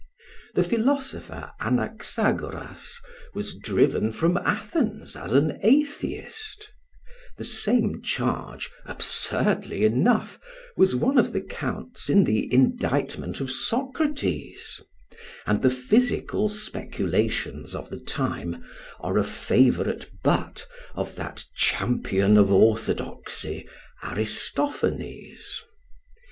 The philosopher Anaxagoras was driven from Athens as an atheist; the same charge, absurdly enough, was one of the counts in the indictment of Socrates; and the physical speculations of the time are a favourite butt of that champion of orthodoxy, Aristophanes.